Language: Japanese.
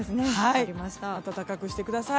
暖かくしてください。